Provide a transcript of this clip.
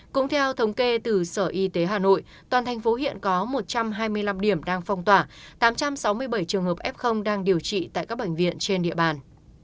cũng theo thống kê từ sở y tế hà nội toàn thành phố hiện có một trăm hai mươi năm điểm đang phong tỏa tám trăm sáu mươi bảy trường hợp f đang điều trị tại các bệnh viện trên địa bàn